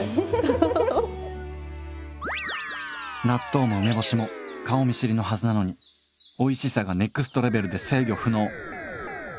納豆も梅干しも顔見知りのはずなのにおいしさがネクストレベルで制御不能。